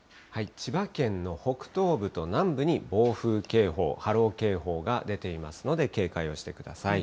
千葉県の北東部と南部に暴風警報、波浪警報が出ていますので、警戒をしてください。